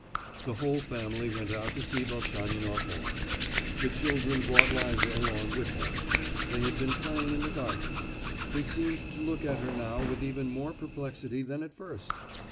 The whole family went out to see Velchaninoff off. The children brought Liza along with them; they had been playing in the garden. They seemed to look at her now with even more perplexity then at first!